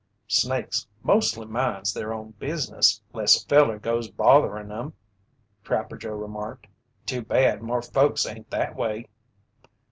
"Snakes mostly minds their own business 'less a feller goes botherin' 'em," Trapper Joe remarked. "Too bad more folks ain't that way."